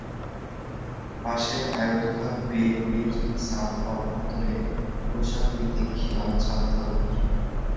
পাশের আয়তাকার ‘বে’ গুলির ছাদ অভ্যন্তরে ক্রুশাকৃতি খিলান ছাদ ধরনের।